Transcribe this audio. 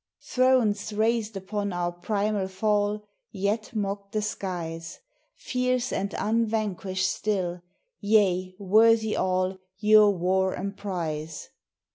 Thrones raised upon our primal fall, Yet mock the skies! Fierce and unvanquished still, yea, worthy all Your war emprize.